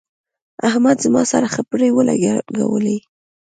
احمد زما سره خپړې ولګولې.